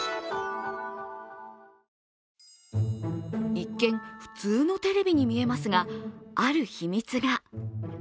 一見、普通のテレビに見えますがある秘密が。